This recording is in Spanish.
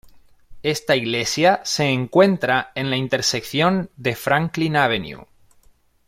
Ésta iglesia se encuentra en la intersección de Franklin Ave.